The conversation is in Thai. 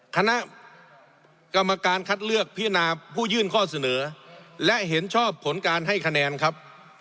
คณะกรรมการคัดเลือกพิจารณาผู้ยื่นข้อเสนอและเห็นชอบผลการให้คะแนนครับ